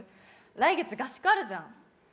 来月、合宿あるじゃん。